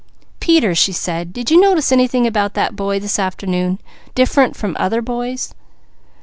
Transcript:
"Peter," she said, "did you notice anything about that boy, this afternoon, different from other boys?"